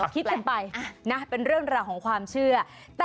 คิดกันไปนะเป็นเรื่องราวของความเชื่อ